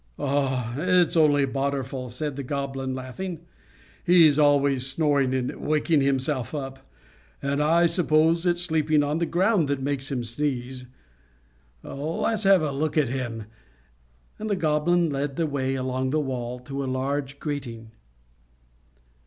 "It's only Badorful," said the Goblin, laughing. "He's always snoring and waking himself up, and I suppose it's sleeping on the ground that makes him sneeze. Let's have a look at him;" and the Goblin led the way along the wall to a large grating.